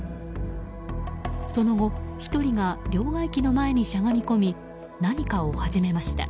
その後、１人が両替機の前にしゃがみこみ何かを始めました。